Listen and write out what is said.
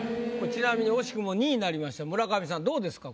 ちなみに惜しくも２位になりました村上さんどうですか？